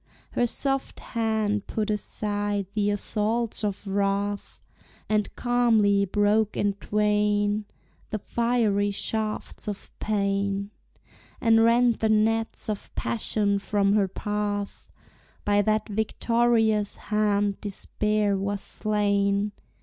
Her soft hand put aside the assaults of wrath, And calmly broke in twain The fiery shafts of pain, And rent the nets of passion from her path. By that victorious hand despair was slain.